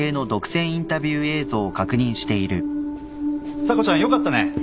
・査子ちゃんよかったね。